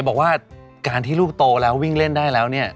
บอกว่าการที่ลูกโตแล้ววิ่งเล่นได้แล้วเนี่ย